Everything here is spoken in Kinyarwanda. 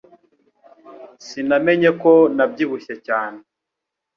Sinamenye ko nabyibushye cyane